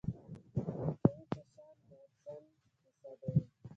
کمپکشن باید سل فیصده وي